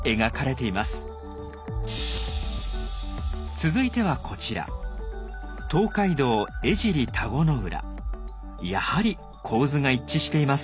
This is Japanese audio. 続いてはこちらやはり構図が一致しています。